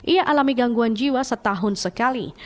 ia alami gangguan jiwa setahun sekali